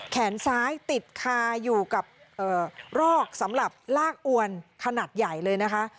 แขนซ้ายติดคาอยู่กับรอกสำหรับลากอวนขนาดใหญ่เลยนะคะ